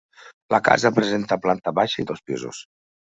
La casa presenta planta baixa i dos pisos.